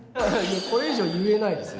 これ以上は言えないですよ。